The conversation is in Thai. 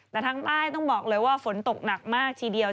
แต่ทางใต้ต้องบอกเลยว่าฝนตกหนักมากทีเดียว